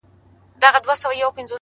د حقیقت منل ازادي زیاتوي؛